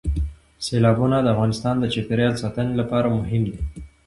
سیلابونه د افغانستان د چاپیریال ساتنې لپاره مهم دي.